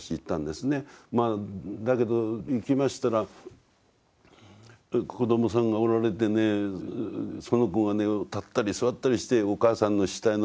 だけど行きましたら子どもさんがおられてねその子がね立ったり座ったりしてお母さんの死体のとこへ来るんですよ。